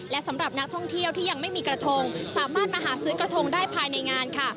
และสำหรับนักท่องเที่ยวที่ยังไม่มีกระทงสามารถมาหาซื้อกระทงได้ภายในงานค่ะ